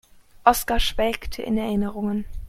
Oskar schwelgte in Erinnerungen.